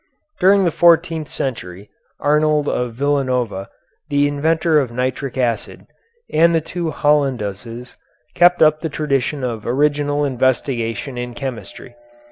During the fourteenth century, Arnold of Villanova, the inventor of nitric acid, and the two Hollanduses, kept up the tradition of original investigation in chemistry.